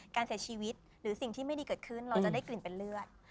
การเสียชีวิตหรือสิ่งที่ไม่ดีเกิดขึ้นเราจะได้กลิ่นเป็นเลือด